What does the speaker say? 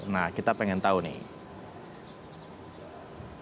nah kita pengen tahu nih